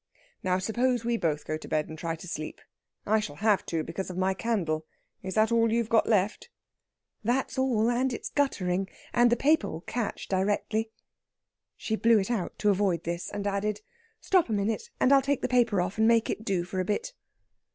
Now, suppose we both go to bed, and try to sleep. I shall have to, because of my candle. Is that all you've got left?" "That's all, and it's guttering. And the paper will catch directly." She blew it out to avoid this, and added: "Stop a minute and I'll take the paper off, and make it do for a bit."